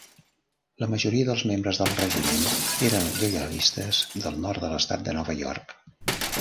La majoria dels membres del regiment eren lleialistes del nord de l'estat de Nova York.